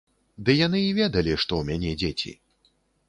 Ды яны і ведалі, што ў мяне дзеці.